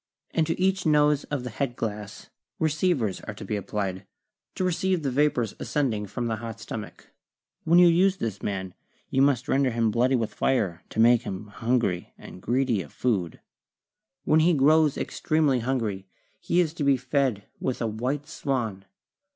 And to each nose of the head glass receivers are to be applied, to receive the vapors ascend ing from the hot stomach. When you use this man you must render him bloody with fire to make him hungry and greedy of food. When he grows extremely hungry he is to be fed with a white swan.